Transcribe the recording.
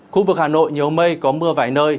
khu vực hà nội nhiều mây có mưa vài nơi